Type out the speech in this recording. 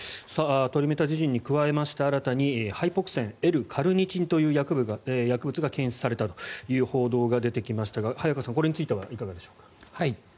トリメタジジンに加えて新たにハイポクセンＬ−カルニチンという薬物が検出されたという報道が出てきましたが早川さん、これについてはいかがでしょうか？